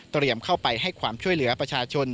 เข้าไปให้ความช่วยเหลือประชาชน